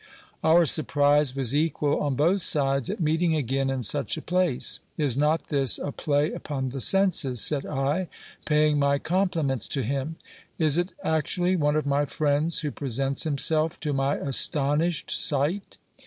Our surprise was equal on both sides at meeting again in such a place. Is not this a play upon the senses ? said I, paying my compliments to him. Is it actually one of my friends who presents himself to my astonished sight